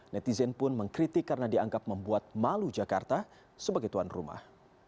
netizen pun mengkritik karena dianggap membuat malu jakarta sebagai tuan rumah